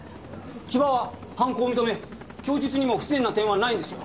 千葉は犯行を認め供述にも不自然な点はないんですよ。